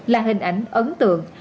là hình ảnh ấn tượng